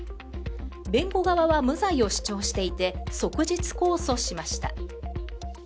弁護側は無罪を主張していて即日控訴しました。